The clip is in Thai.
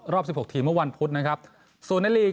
รอบสิบหกทีเมื่อวันพุธนะครับศูนย์ในจมไร่รีก